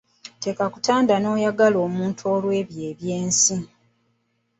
Tekakutanda n'oyagala omuntu olw'ebyo eby'ensi.